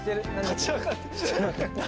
立ち上がった。